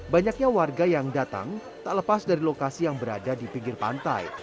banyaknya warga yang datang tak lepas dari lokasi yang berada di pinggir pantai